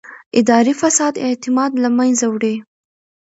اداري فساد اعتماد له منځه وړي